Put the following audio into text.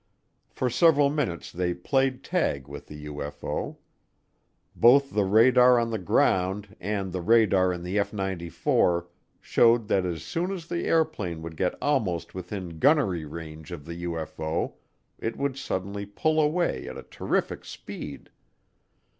For several minutes they played tag with the UFO. Both the radar on the ground and the radar in the F 94 showed that as soon as the airplane would get almost within gunnery range of the UFO it would suddenly pull away at a terrific speed.